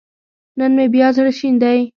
نن مې بيا زړه شين دی